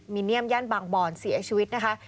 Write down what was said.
มีเนียมย่านบางบอนเสียชีวิตนะคะ